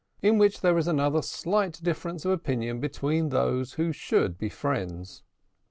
IN WHICH THERE IS ANOTHER SLIGHT DIFFERENCE OF OPINION BETWEEN THOSE WHO SHOULD BE FRIENDS.